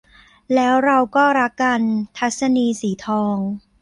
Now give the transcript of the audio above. แล้วเราก็รักกัน - ทัศนีย์ สีทอง